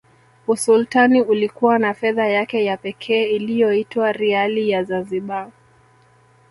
Usultani ulikuwa na fedha yake ya pekee iliyoitwa Riali ya Zanzibar